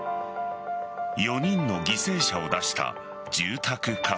４人の犠牲者を出した住宅火災。